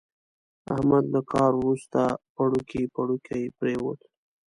احمد له کار ورسته پړوکی پړوکی پرېوت.